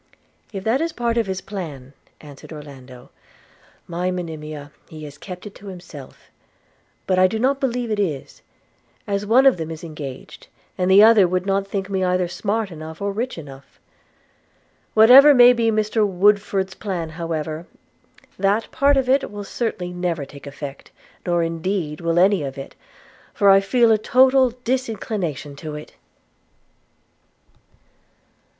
'If that is part of his plan,' answered Orlando, 'my Monimia, he has kept it to himself. – But I do not believe it is, as one of them is engaged, and the other would not think me either smart enough or rich enough. Whatever may be Mr Woodford's plan, however, that part of it will certainly never take effect; nor indeed will any of it, for I feel a total disinclination to it.'